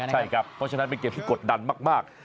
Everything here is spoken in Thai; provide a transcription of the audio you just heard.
ใช่ครับเพราะฉะนั้นเป็นเกมที่กดดันมาก